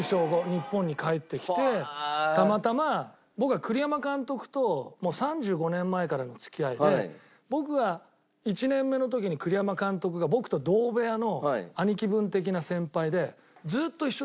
日本に帰ってきてたまたま僕は栗山監督ともう３５年前からの付き合いで僕が１年目の時に栗山監督が僕と同部屋の兄貴分的な先輩で。